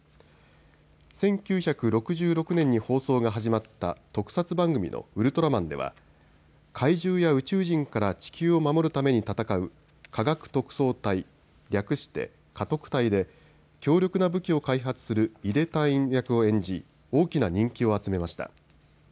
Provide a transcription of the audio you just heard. １９６６年に放送が始まった特撮番組のウルトラマンでは怪獣や宇宙人から地球を守るために戦う科学特捜隊、略して科特隊で強力な武器を開発するイデ隊員役を演じ大きな人気を集めました。